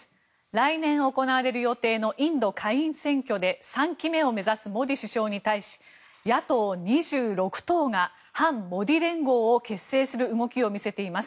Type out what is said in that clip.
来年行われる予定のインド下院選挙で３期目を目指すモディ首相に対し野党２６党が反モディ連合を結成する動きを見せています。